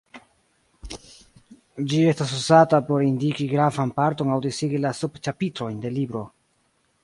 Ĝi estas uzata por indiki gravan parton aŭ disigi la sub-ĉapitrojn de libro.